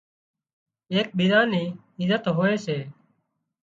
ايڪ ٻيزان ني عزت هوئي سي